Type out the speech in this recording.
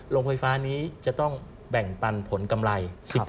โรงไฟฟ้านี้จะต้องแบ่งปันผลกำไร๑๐